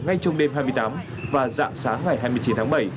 ngay trong đêm hai mươi tám và dạng sáng ngày hai mươi chín tháng bảy